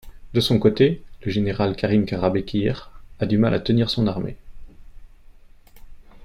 De son côté, le général Kazım Karabekir a du mal à tenir son armée.